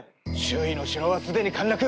周囲の城はすでに陥落。